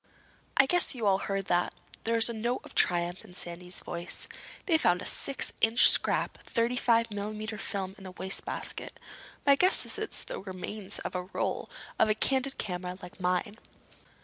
"I guess you all heard that." There was a note of triumph in Sandy's voice. "They found a six inch scrap of thirty five millimeter film in the wastebasket. My guess is it's the remains of a roll for a candid camera like mine."